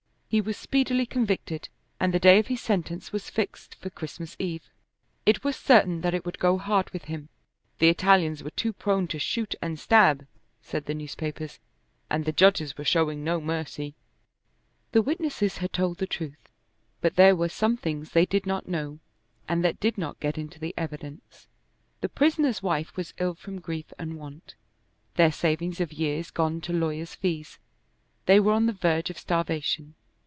He was speedily convicted, and the day of his sentence was fixed for Christmas Eve. It was certain that it would go hard with him. The Italians were too prone to shoot and stab, said the newspapers, and the judges were showing no mercy. The witnesses had told the truth, but there were some things they did not know and that did not get into the evidence. The prisoner's wife was ill from grief and want; their savings of years gone to lawyer's fees, they were on the verge of starvation.